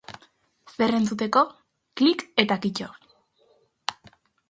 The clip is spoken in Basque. Zer entzuteko, klik eta kitto.